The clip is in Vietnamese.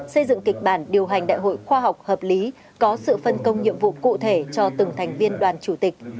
xây dựng kịch bản điều hành đại hội khoa học hợp lý có sự phân công nhiệm vụ cụ thể cho từng thành viên đoàn chủ tịch